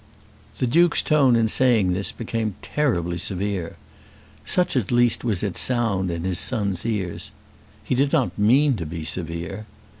The Duke's tone in saying this became terribly severe. Such at least was its sound in his son's ears. He did not mean to be severe.